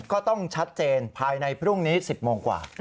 ก็ต้องชัดเจนภายในพรุ่งนี้๑๐โมงกว่า